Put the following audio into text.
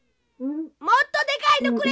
もっとでかいのくれ！